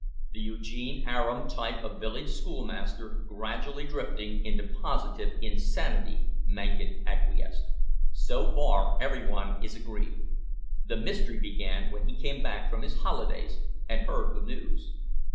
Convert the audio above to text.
"The Eugene Aram type of village schoolmaster gradually drifting into positive insanity," Mangan acquiesced. "So far, every one is agreed. The mystery began when he came back from his holidays and heard the news."